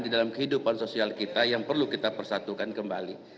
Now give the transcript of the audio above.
di dalam kehidupan sosial kita yang perlu kita persatukan kembali